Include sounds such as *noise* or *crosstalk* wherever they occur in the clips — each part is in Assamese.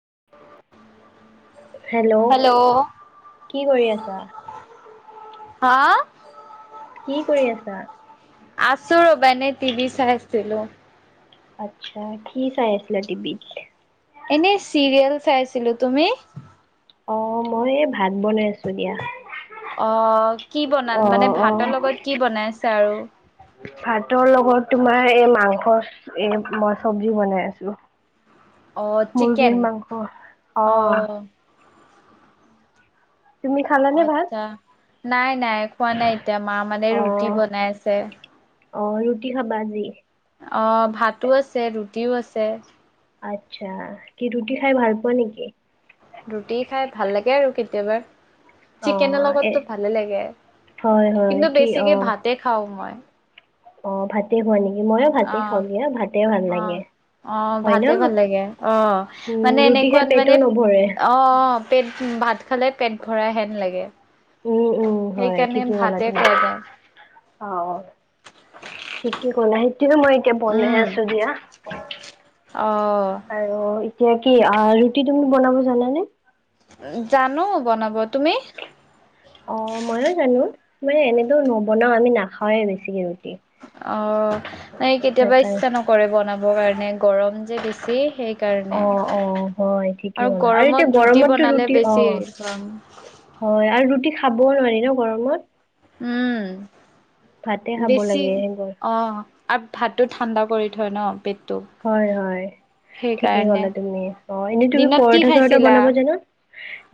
*unintelligible* হেল্ল'! কি কৰি আছা? হা? কি কৰি আছা? আছো ৰ'বাইনে টিভি চাইছিলো। আত্ছা কি চাই আছিলা টিভিত? এনে চিৰিয়েল চাইছিলো। তুমি? অ মই এই ভাত বনাই আছো দিয়া। আহ কি বনাল মানে অ' ভাতৰ অ' লগত কি বনাইছে আৰু? ভাতৰ লগত তোমাৰ এই মাংস এ মই চবজি বনাই আছো। অ চিকেন মুৰ্গীৰ মাংস অ অহ । খালানে ভাত? আচ্ছা নাই নাই খোৱা নাই এতিয়া মা মানে ৰুটি অ' বনাই আছে। অ ৰুটি খাবা আজি। অ ভাতো আছে ৰুটিও আছে। আচ্ছা কি ৰুটি খাই ভাল পোৱা নেকি? ৰুটি খাই ভাল লাগে আৰু কেতিয়াবা। চিকেনৰ অ' এ লগতটো ভালে লাগে, হয় হয় কিন্তু কি বেছিকে অ' ভাতে খাওঁ মই। অ ভাতে খোৱা নেকি ময়ো ভাতে অ খাওঁগে ভাতে ভাল অ লাগে। অ হয় ভাতে ন? ভাল লাগে অ উম মানে ৰুটি খাই এনেকুৱাত পেটো মানে নভৰে। অ অ পেট ভাত খালে পেট ভৰাই হেন লাগে। উম উম হয় সেইকাৰণে ঠিকেই কলা ভাতে তুমি, খোৱা যায় অ অ ঠিকেই কলা সেইটোৱে মই এতিয়া বনাই উম আছো দিয়া। অ আৰু এতিয়া কি ৰুটি তুমি বনাব জানানে? জানো বনাব ।তুমি? অ ময়ো জানো মানে এনেকে নবনাও আমি নাখাওৱে বেছিকে ৰুটি । অহ এই কেতিয়াবা ইচ্ছা নকৰে বনাবৰ কাৰণে গৰম যে বেছি, সেই অ সেইকাৰণে অ হয় ঠিকে আৰু ক'লা এতিয়া গৰমত ৰুটি গৰমততো বনালে অ বেছি গৰম হয় আৰু ৰুটি খাবও নোৱাৰি ন গৰমত। ভাতে উম খাব বেছি লাগে অ আৰু ভাটোত ঠাণ্ডা কৰি থয় ন পেট। হয় হয় ঠিকে ক'লা তুমি অ এনেই তুমি দিনত কি পৰঠা চৰঠা খাইছিলা বনাব জানা?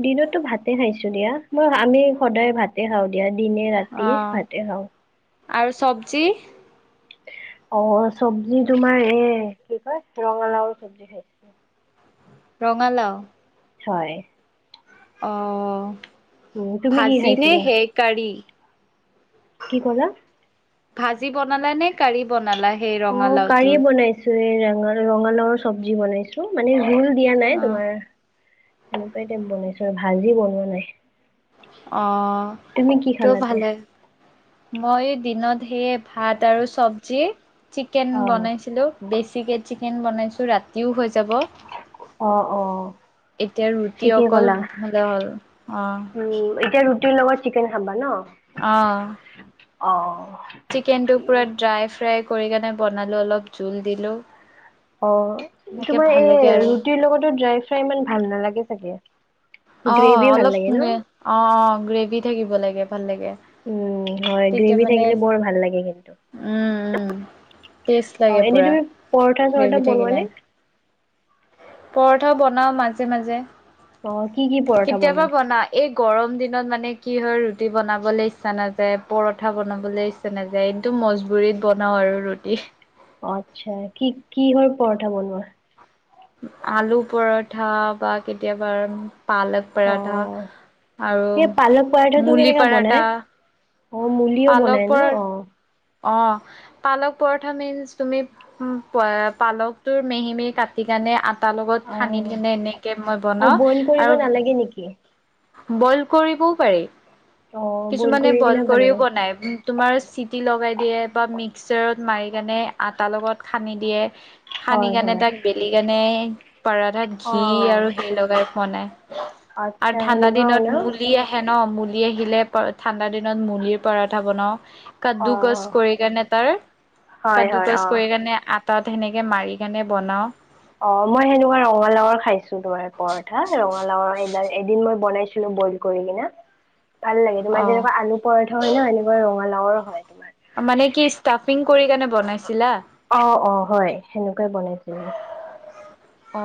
দিনতো ভাতে খাইছো দিয়া মই আমি সদায় ভাতে খাওঁ দিয়া। দিনে ৰাতি অ' ভাতে খাওঁ। আৰু চব্জি? অ চব্জি তোমাৰ এ কি কয় ৰঙালাওৰ চব্জি খাইছিলো। ৰঙালাও । হয় অ উম তুমি কি ভাজি নে খাইছিলা সেইকাৰ়ী? কি ক'লা? ভাজি বনালা নে কাৰাঢ়ি বনালা? হেই ৰঙালাও তোৰ। ৰে ৰঙালাওৰ চব্জি বনাইছো মানে ভুল দিয়া নাই অ' তোমাৰ এনেকুৱা এ টাই বনাইছো আৰু ভাজি বনোৱা নাই। অ তুমি কি তো খালা তে? ভালে, মই দিনত সেয়ে ভাত আৰু চবজি চিকেন অ বনাইছিলো, বেছিকে চি ফেন বনাইছোঁ ৰাতিও হৈ যাব অ অ এতিয়া ৰুটি ঠিকেই অকল ক'লা হ'লে হ'ল অ উম এতিয়া ৰুটিৰ লগত চিকেন খাবা ন অ চিকেনটোক পুৰা ঠিক ড্ৰাই ফ্ৰাই কৰিকিনে বনালো অলপ জোল দিলো অ তোমাৰ এই ৰুটিৰ লগতো ড্ৰাই ফ্ৰাই ইমান ভাল নালাগে চাগে অ গ্ৰেভি ভাল অলপ লাগে ন? অ অ গ্ৰেভি থাকিব লাগে ভাল লাগে উম, হয় তেতিয়া গ্ৰেভি মানে থাকিলে বৰ ভাল লাগে কিন্তু। উম উম টেষ্ট অ', লাগে এনেই পূৰা তুমি পৰঠা চৰঠা গ্ৰেভি বনোৱা থাকিলে নে? পৰঠাও বনাও মাজে মাজে অ', কি কি পৰঠা কেতিয়াবা বনোৱা? বনা এই গৰম দিনত মানে কি হয় ৰুটি বনাবলৈ ইচ্ছা নাযায় পৰঠা বনাবলৈ ইচ্ছা নাযায় এইটো মজবুৰিত বনাও আৰু ৰুটি। আচ্ছা কি কিহৰ পৰঠা বনোৱা আলু পৰঠা বা কেতিয়াবা পালক পৰাঠা অ', আৰু সেই পালক পৰঠাটো মুলি কেনেকা বনাই? পাৰাঠা অ মুলিও বনাই ন অ অ পালক পৰঠা মিনচ তুমি পয়ে পালকটোৰ মিহি মেহি কাটি কেনে তাৰ লগত সানি অ'। কিনে এনেকে মই অ', বনাওঁ বইল কৰিব আৰু নালাগে নেকি? বইল কৰিবও পাৰি অ', কিছুমানে কৰি বইল কিনে ভাল কৰিও লাগে। বনাই উম তোমাৰ চিটি লগাই দিয়ে বা মিক্সাৰত মাৰি কেনে আটাৰ লগত খানি দিয়ে সানি হয়, কেণে হয়। তাক বেলিকেণে পৰাঠাত ঘি অ', আৰু সেই লগাই খোৱানাই আচ্ছা আৰু ঠাণ্ডা সেনেকুৱাও ন? দিনত মুলি হেক ন মুলি আহিলে ঠাণ্ডা দিনত মুলিৰ পৰঠা বনাওঁ কাদ্দু কচ অ'। কৰি কাৰণে তাৰ হয় কাদ্দু হয় কচ অ' কৰি কাৰণে আ তাত সেনেকে মাৰি কেনে বনাও অ' মই সেনেকুৱা ৰঙালাওৰ খাইছোঁ তোমাৰ পৰঠা ৰঙালাওৰ এডাল এদিন মই বনাইছিলো বইল কৰি কিনে ভাল লাগে অ তোমাৰ যেনেকুৱা আলু পৰঠা হয় ন এনেকুৱা ৰঙালাওৰ হয় মানে কি তোমাৰ ষ্টাফিং কৰি কেনে বনাইছিলা অ' অ' হয় সেনেকুৱাই বনাইছিলোঁ অ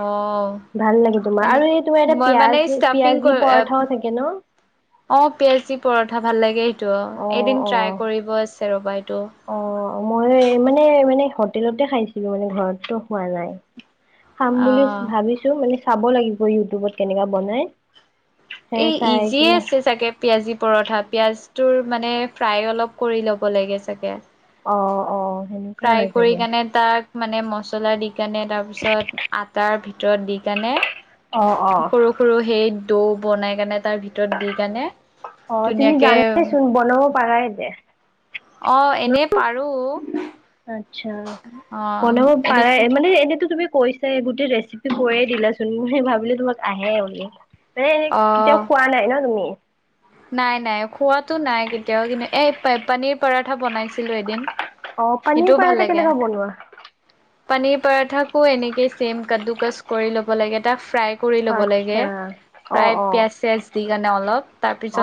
ভাল লাগে তোমাৰ মানে আৰু এই তোমাৰ এটা মই মানে পিয়াজ স্তাফিং পিয়াজি কৰি পৰঠাও থাকে ন অ পিয়াজ দি পৰঠা ভাল লাগে ত অ' এদিন ট্ৰাই অ' কৰিব আছে ৰ'বা এইটো অ' মই মানে মানে হোটেলতে খাইছিলো মানে ঘৰটো খোৱা নাই খাম অ বুলি ভাবিছো মানে চাব লাগিব ইউটিউবত কেনেকা বনাই সেই এই চাই ইজিয়ে কিনে আছে চাগে পিয়াজ দি পৰঠা পিয়াজ তোৰ মানে ফ্ৰাই অলপ কৰি ল'ব লাগে চাগে অ অ সেনেকুৱাই ফ্ৰাই হয় কৰি চাগে কেনে তাক মানে মছলা দি কেনে তাৰপিছত আটাৰ ভিতৰ ভিতৰত দি কেনে অ', অ', সৰু সৰু সেই দৌ বনাই কেনে তাৰ ভিতৰত দি কেনে অ', তুমি ধুনীয়াকে জানাইচোন বনাব পাৰাই দে অ ন? এনে পাৰো আচ্ছা অ বনাব এনেক পাৰে মানে এনেতো তুমি কৈছে গোটেই ৰেচিপি কৈয়ে দিলাচোন ভাবিলো তোমাক আহে বুলি এনে অ কেতিয়াও খোৱা নাই ন তুমি? নাই নাই খোৱাতটো নাই কেতিয়াও কিন্তু এই পানীৰ পৰাঠা বনাইছিলো এদিন অ', পনীৰ সেইটোও ভাল পৰাঠা লাগে কেনেকা বনোৱা? পানীৰ পৰাঠাকো এনেকেই চেম কাদ্দু কাচ কৰি ল'ব লাগে টা ফ্ৰাই কৰি ল'ব লাগে আচ্ছা প্ৰায় অ', অ', পিঁয়াজ চিয়াজ দি কাৰণে অলপ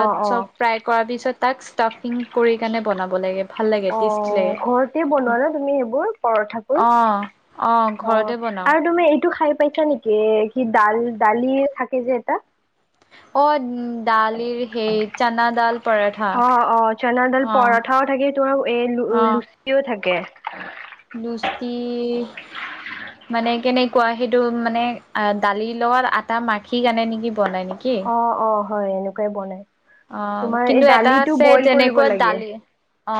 অ', অ'। চব ফ্ৰাই কৰাৰ পিছত তাক ষ্টাফিং কৰি কাণে বনাব লাগে ভাল লাগে অ টেষ্টি লাগে ঘৰতে বনোৱা নে তুমি এইবোৰ পৰঠাবোৰ অ অ ঘৰতে বনাও আৰু তুমি এইটো খাই পাইছা নেকি কি ডাল দালি থাকে যে এটা অ দালিৰ সেই চানাডাল পৰঠা অ', অ', চনা দাল অ পৰঠাও থাকে তোমাৰ এই অ', লুচিও থাকে লুচি মানে কেনেকুৱা সেইটো মানে দালিৰ লগত আটা মাখি কেনে নেকি বনাই নেকি? অ অ হয় এনেকুৱাই বনাই অ তোমাৰ এই কিন্তু এটা দালিটো আছে বইল কৰিব তেনেকুৱা লাগে দালি অ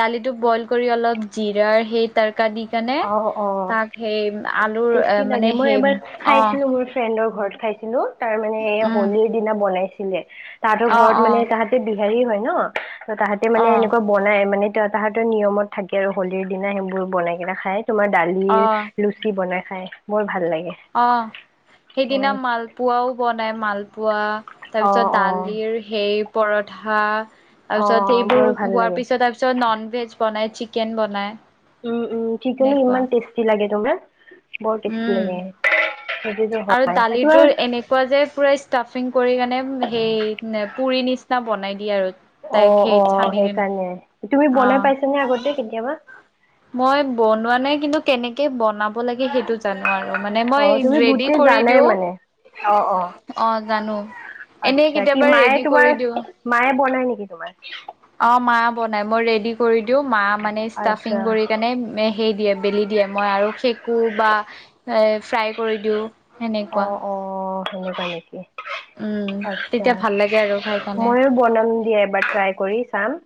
দালিটো বইল কৰি অলপ জিৰাৰ সেই কা দি কেনে অ অ তাক সেই আলুৰ টেষ্টি মানে লাগে মই সেই এবাৰ অ', খাইছিলো মোৰ ফ্ৰেণ্ডৰ ঘৰত খাইছিলো তাৰ মানে উম, হলিৰ দিনা বনাইছিলে তাহতৰ অ', ঘৰত মানে অ', তাহতে বি হেৰি হয় ন ত তাহাঁতে মানে অ', এনেকুৱা বনাই মানে তাহতৰ নিয়মত থাকে আৰু হোলীৰ দিনা সেইবোৰ বনাই কেনে খাই তোমাৰ দালিৰ অ', লুচি বনাই খাই বৰ ভাল লাগে অ অ সেইদিনা মালপোৱাও বনাই মাল পোৱা অ তাৰপিছত অ দালিৰ সেই পৰঠা অ তাৰ পিছত সেইবোৰ বৰ ভাল হোৱাৰ লাগে পিছত তাৰপিছত নন ভেজ বনাই চিকেন বনাই উম উম চিকেনো এনেকুৱা ইমান টেষ্টি লাগে তোমাৰ বৰ টেষ্টি উম লাগে সেইটোতো আৰু হয় তোমাৰ দালিৰ এনেকুৱা যে পুৰা ষ্টাফিং কৰি কিনে সেই পুৰি নিচ- চিনা বনাই দিয়ে আৰু অ তাইক অ সেই সানি কেনে সেইকাৰণে তুমি অ বনাই পাইছা নে আগতে কেতিয়াবা মই বনোৱা নাই কিন্তু কেনেকে বনাব লাগে সেইটো জানো আৰু মানে অ মই তুমি ৰেডি গোটেই কৰি জানাই দিওঁ মানে অ অ অ জানো এনেই আচ্ছা কি কেতিয়াবা মায়ে ৰেডি তোমাৰ কৰি দিওঁ মায়ে বনাই নেকি তোমাৰ অ মা বনাই মই ৰেডি কৰি দিও মা মানে আচ্ছা ষ্টাফিং কৰি কেনে সেই দিয়ে বেলি দিয়ে মই আৰু সেঁকু বা ফ্ৰাই কৰি দিওঁ অ সেনেকুৱা অ তেনেকুৱা । উম তেতিয়া ভাল লাগে আৰু। খাই কাৰণে মইয়ো বনাম দিয়া এবাৰ ট্ৰাই কৰি চাম,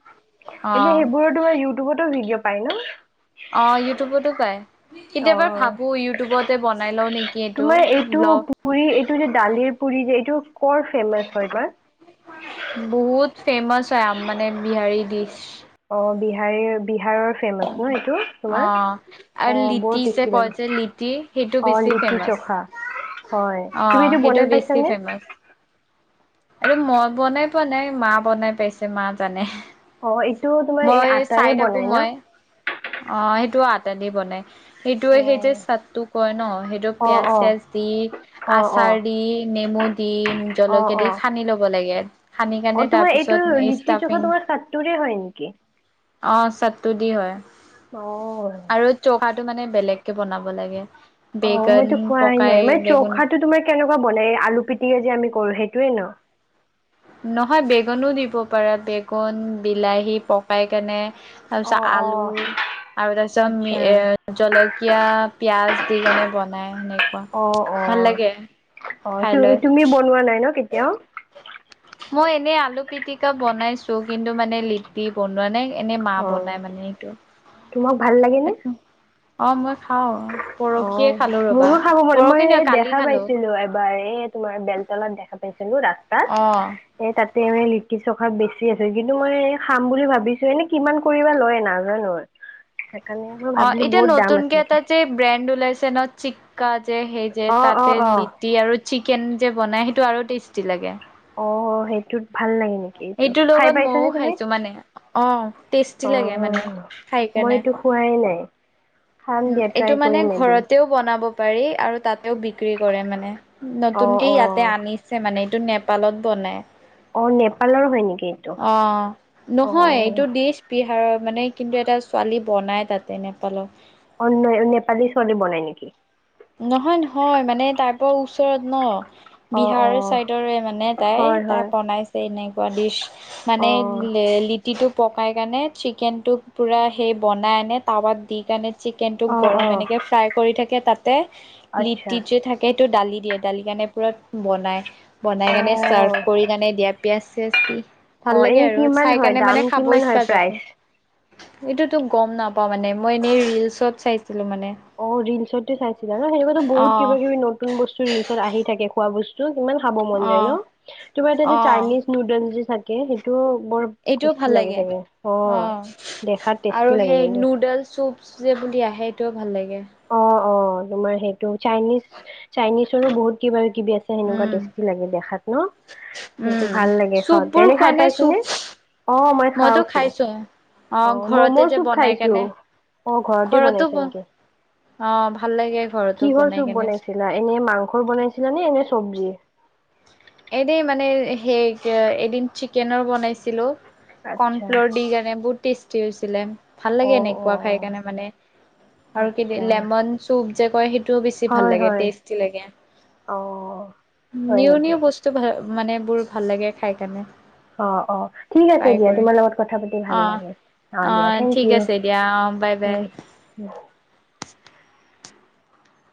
অ মানে সেইবোৰতো মানে ইউ টিউবতো ভিডিঅ' পাই ন? অ ইউটিউবতো পায় অ, কেতিয়াবা ভাবো ইউটিউবতে বনাই লও নেকি তোমাৰ এইটো ব্লগ পুৰি এইটো যে দালিৰ পুৰী যে এইটো কৰ ফেমাচ হয় বা? বহুত ফেমাচ হয় আম মানে বিহাৰী ডিছ। অ বিহাৰি বি বিহাৰৰ ফেমাছ ন এইটো অ তোমাৰ, আৰু অ লিটি বৰ যে টেষ্টি কয় লাগে যে লিটি সেইটো অ, সেই বেছি লিটি ফেমাচ চখা, হয় অ তুমি এইটো বনাই পাইছানে? আৰু মই বনাই পোৱা নাই মা বনাই পাইছে মা জানে। অ এইটো তোমাৰ এই মই আটাৰে চাই থাকো বনাই ন মই অ সেইটো আদা দি বনাই। সেইটোয়ে সেইটো চাত্তো কয় ন সেইটো অ অ পিয়াজ অ চিয়াজ দি, অ অ আচাৰ দি, নেমু বুট দিম, অ জলকীয়া অ দি সানি ল'ব লাগে সানি অ কাৰণে তোমাৰ এইটো তাৰপিছত লিটি ষ্টাফিং চখা তোমাৰ চাটোৰে হয় নেকি? অ চাটটো দি হয়। অ। টো মানে বেলেগ কে বনাব লাগে। অ বেগন মইতো খোৱাই পকাই নাই মানে বেগুন চৌখাটো তোমাৰ কেনেকুৱা বনাই এই আলু পিটিকা যে আমি কৰো সেইটোয়ে ন। নহয় বেগনো দিব পাৰা ।বেগন, বিলাহী পকাই কেনে। অ তাৰপিছত অ আলু আৰু তাৰ পিছত আচ্ছা এ জলকীয়া, পিয়াজ দি কেনে বনাই সেনেকুৱা। অ অ ভাল লাগে। অ খাই লৈ তুমি বনোৱা নাই ন কেতিয়াও? মই এনে আলু পিটিকা বনাইছো কিন্তু মানে লিপি বনোৱা নাই এনেই মা অ বনাই মানে সেইটো। তোমাক ভাল লাগে নে? অ মই খাও পৰখি মোৰো খাব মন মই এই দেখা খালো পাইছিলো এবাৰ এই তোমাৰ বেলতলত দেখা পাইছিলো। চিলোঁ ৰাস্তাত অ এ তাতে মানে লিটি চ বেছি আছে কিন্তু মই খাম বুলি ভাবিছো এনে কিমান কৰিবা লই নাজানো সেইকাৰণে মই অ ভাবিলো এতিয়া বহুত দাম আছে নতুনকে নেকি এটা যে ব্ৰেণ্ড ওলাইছে চেনত চিক্কা যে সেই যে অ', তাতে অ', অ', লিটি আৰু চিক কেন যে বনাই সেইটো আৰু টেষ্টি লাগে। অ সেইটোত ভাল লাগে নেকি এইটো এইটোৰ খাই লগত পাইছ মইও নে তুমি? খাইছো মানে অ, টেষ্টি অ', লাগে মানে খাই মই কেনে। এইটো খোৱাই নাই খাম উম দিয়া ট্ৰাই এইটো মানে কৰিম এদিন ঘৰতেও বনাব পাৰি আৰু তাতেও বিক্ৰী কৰে মানে অ', নতুনকে ইয়াতে অ', আনিছে মানে এইটো নেপালত বনাই। অ নেপালৰ হয় নেকি? এইটো অ অ', নহয় অ', এইটো দিশ বিহাৰৰ মানে কিন্তু এটা ছোৱালী বনাই তাতে নেপালক। অন নেপালী ছোৱালী বনাই নেকি? নহয় নহয় মানে তাৰ পৰা ওচৰত ন। অ', বিহাৰৰ অ', চাইদৰে মানে তাই হয় তাই হয় বনাইছে এনেকুৱা দিচ। অ মানে লে লিটিটোক পকাই কেনে চিকেনটো পুৰা সেই বনাই আনে টাৱাত দি কেনে চিকেনটো অ অ গৰম এনেকে ফ্ৰাই কৰি থাকে তাতে আচ্ছা লিট্টি যে থাকে এইটো দালি দিয়ে দালিকিণে পূৰা বনাই, অ বনাই কেনে ছাৰ্ভ কৰি কেনে দিয়া পিয়াজ চিয়াচ অ ভাল লাগে এনে আৰু কিমান চাই হয় কিনে দাম মানে খাব কিমান হয় ইচ্ছা যাব। প্ৰাইচ এইটো তো গম নাপাও মানে মই এনেই ৰিলচত চাইছো। অ ৰিলচতে চাইছিলা ন সেনেকোৱাতো অ বহুত কিবা কিবি নতুন বস্তু ৰিলচত আহি থাকে খোৱা বস্তুত। সিমান খাব মন যায় অ ন? তোমাৰ এতে যে অ', চাইনিজ নুডন যদি থাকে ।সেইটো বৰ এইটোও টেষ্টি ভাল লাগে চাগে অ। দেখাত টেষ্টি আৰু লাগে সেই কিন্তু নুডেল চুপ যে বুলি আহে সেইটোও ভাল লাগে। অ অ তোমাৰ সেইটো চাইনিজ চাইনিজৰো বহুত কিবা কিবি আছে সেনেকুৱা উম, টেষ্টি লাগে দেখাত ন সেইটো উম, ভাল লাগে খ চুপ বোৰ এনে খোৱা খাই নে চুপ? পাইছনে অ মই মইতো খাওছো খাইছো। অ মম' ঘৰতে যে চুপ বনাই খাইছো। কেনে অ ঘৰতে ঘৰতো বনাইছে নেকি? অ', ভাল লাগে ঘৰতো কিহৰ বনাই চুপ কেনে। বনাইছিলা এনে মাংসৰ বনাইছিলা নে এনে। সবজি এনেই মানে সেই এদিন চিকেনৰ বনাইছিলো। আচ্ছা কৰ্ণফ্ল'ৰ দি কাৰণে বহুত টেষ্টি হৈছিলে। ভাল লাগে অ' এনেকুৱা অ' খাই কাৰণে মানে অ' আৰু কি আচ্ছা লেমন চুপ যে কয় সেই টো বেছি ভাল হয় লাগে। হয় টেষ্টি লাগে। অ' হয় নিও নেকি নিও মানে বোৰ ভাল লাগে খাই কাৰনে। অ অ ঠিক আছে দিয়া তোমাৰ লগত কথা পাতি ভাল অ লাগে। অ দিয়া থেংক ঠিক ইউ। আছে দিয়া অ বাই বাই